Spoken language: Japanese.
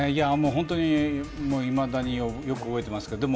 本当にいまだによく覚えています。